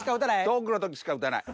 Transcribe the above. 遠くの時しか撃たない。